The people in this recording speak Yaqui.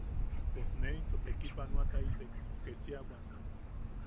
Pos ne into tekipanoataitek ketchia bwan.